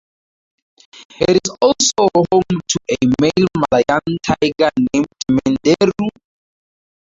It is also home to a male Malayan tiger named Menderu.